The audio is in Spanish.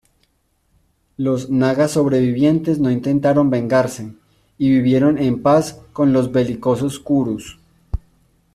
Los nagas sobrevivientes no intentaron vengarse, y vivieron en paz con los belicosos kurus.